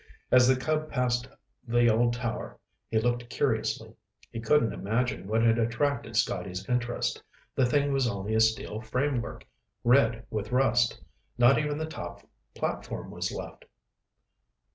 As the Cub passed the old tower, he looked curiously. He couldn't imagine what had attracted Scotty's interest. The thing was only a steel framework, red with rust. Not even the top platform was left.